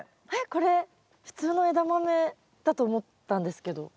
これ普通のエダマメだと思ったんですけど。